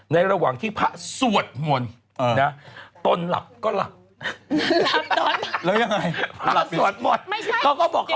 ในระหว่างที่พระสวดหมดตนหลับก็หลับ